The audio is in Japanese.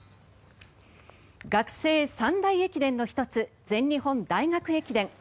学生三大駅伝の１つ全日本大学駅伝。